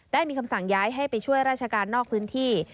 ได้มีคำสั่งย้ายให้ไปช่วยราชการนอกพื้นที่